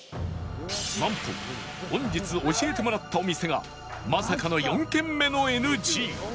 なんと本日教えてもらったお店がまさかの４軒目の ＮＧ